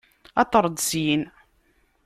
Aṭer-d syin!